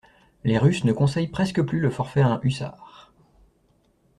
Les russes ne conseillent presque plus le forfait à un hussard...